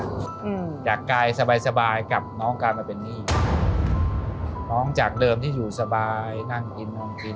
อืมจากกายสบายสบายกับน้องการมาเป็นหนี้น้องจากเดิมที่อยู่สบายนั่งกินนอนกิน